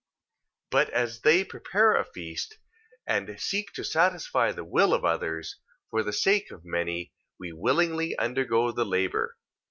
But as they that prepare a feast, and seek to satisfy the will of others: for the sake of many, we willingly undergo the labour.